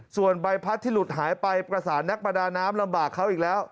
ส่วนใบพัดที่หลุดหายไปประสานนักประดาน้ำลำบากเขาอีกแล้ว